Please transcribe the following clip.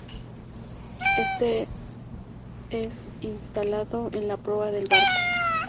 Éste es instalado en la proa del barco.